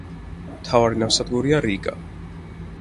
მთავარი ნავსადგურია რიგა.